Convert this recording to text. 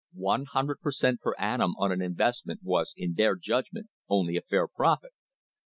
One hundred per cent, per annum on an investment was in their judgment only a fair profit.